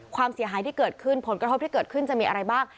ความเสียหายที่เกิดขึ้นผลกระทบที่เกิดขึ้นจะมีอะไรบ้าง